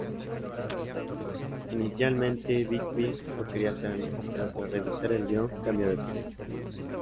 Inicialmente Bixby no quería hacerlo; pero tras revisar el guion, cambia de opinión.